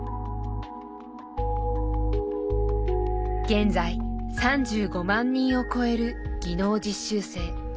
現在３５万人を超える技能実習生。